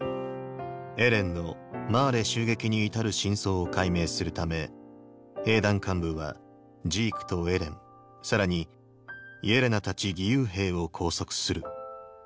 エレンのマーレ襲撃に至る真相を解明するため兵団幹部はジークとエレンさらにイェレナたち義勇兵を拘束する。